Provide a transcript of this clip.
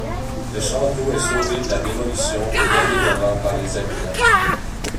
Le château est sauvé de la démolition au dernier moment par les habitants.